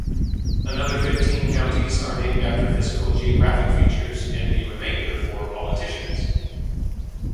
Another fifteen counties are named after physical geographic features, and the remainder for politicians.